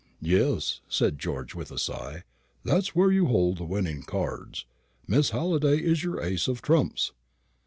"Yes," said George, with a sigh, "that's where you hold the winning cards. Miss Halliday is your ace of trumps."